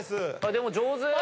でも上手。